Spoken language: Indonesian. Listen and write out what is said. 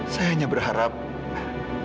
saya hanya berharap saya bisa menjalani hidupnya